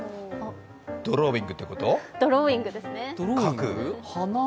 ドローイングってこと？